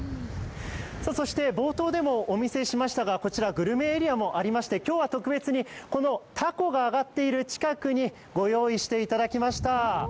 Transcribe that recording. そして冒頭でもお見せしましたがこちらグルメエリアもありまして今日は特別に凧が上がっている近くにご用意していただきました。